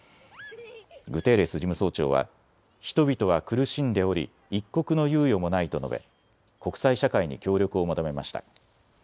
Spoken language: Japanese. グテーレス事務総長は人々は苦しんでおり一刻の猶予もないと述べ国際社会に協力を求めました。